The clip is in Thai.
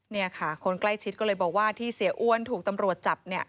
นี่ค่ะคนใกล้ชิดก็เลยบอกว่าที่เสียอ้วนถูกตำรวจจับเนี่ย